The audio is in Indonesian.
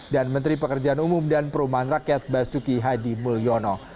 dan menteri pekerjaan umum dan perumahan rakyat basuki hadi mulyono